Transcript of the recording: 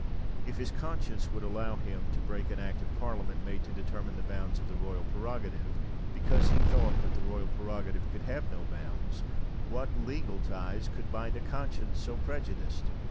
If his conscience would allow him to break an Act of Parliament, made to determine the bounds of the royal prerogative, because he thought that the royal prerogative could have no bounds, what legal ties could bind a conscience so prejudiced?